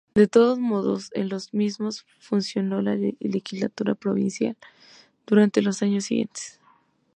De todos modos en los mismos funcionó la Legislatura Provincial durante los años siguientes.